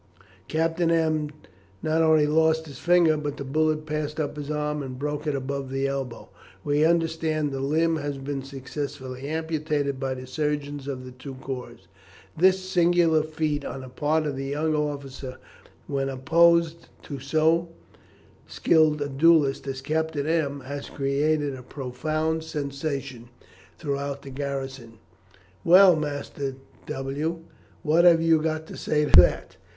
Captain M l not only lost his finger, but the bullet passed up his arm and broke it above the elbow. We understand that the limb has been successfully amputated by the surgeons of the two corps. This singular feat on the part of the young officer, when opposed to so skilled a duellist as Captain M l, has created a profound sensation throughout the garrison.' "Well, Master W t, what have you to say to that?"